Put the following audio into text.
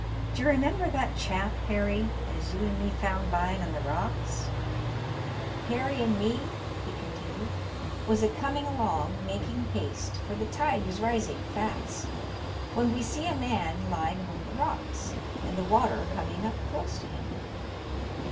D'ye remember that chap, Harry, as you and me found lying on the rocks ? Harry and me," he continued, "was a coming along, making haste, for the tide was rising fast, when we see a man lying among the rocks, and the water coming up close to him.